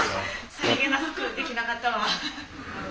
さりげなくできなかったわ。